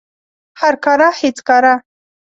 هر کاره هیڅ کاره